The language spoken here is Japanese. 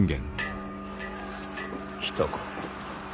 来たか。